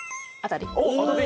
当たり。